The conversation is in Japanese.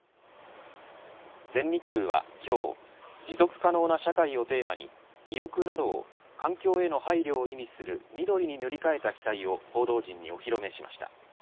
全日空は今日持続可能な社会をテーマに尾翼などを環境への配慮を意味する緑に塗り替えた機体を報道陣にお披露目しました。